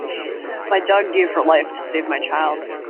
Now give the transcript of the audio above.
My dog gave her life to save my child.